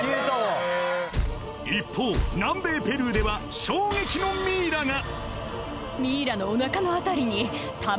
一方南米ペルーでは衝撃のミイラが！